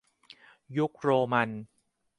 ยุคโรมัน